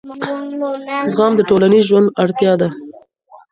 زغم د ټولنیز ژوند اړتیا ده.